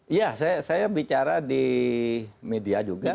iya saya bicara di media juga